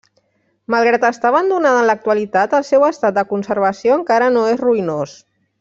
Malgrat estar abandonada en l'actualitat, el seu estat de conservació encara no és ruïnós.